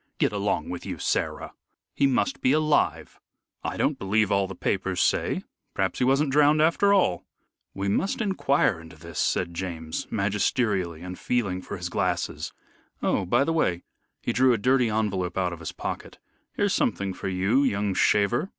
"Get along with you, Sarah! He must be alive. I don't believe all the papers say. Perhaps he wasn't drowned after all." "We must inquire into this," said James, magisterially and feeling for his glasses. "Oh, by the way" he drew a dirty envelope out of his pocket "here's something for you, young shaver."